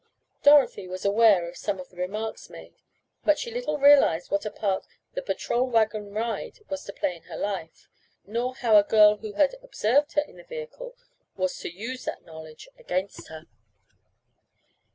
Dorothy was aware of some of the remarks made, but she little realized what a part the patrol wagon ride was to play in her life, nor how a girl who had observed her in the vehicle was to use that knowledge against her.